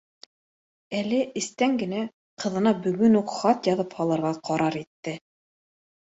Әле эстән генә ҡыҙына бөгөн үк хат яҙып һалырға ҡарар итте